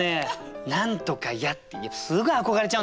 「何とかや」ってすぐ憧れちゃうんです。